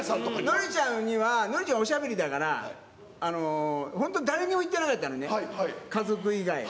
のりちゃんには、のりちゃん、おしゃべりだから、ほんと、誰にも言ってなかったのね、家族以外。